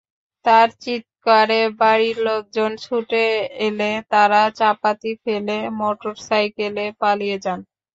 তাঁর চিৎকারে বাড়ির লোকজন ছুটে এলে তাঁরা চাপাতি ফেলে মোটরসাইকেলে পালিয়ে যান।